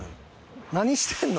何してんの？